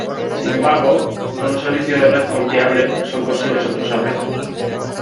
Sin embargo, con un servicio de red confiable son posibles otros arreglos.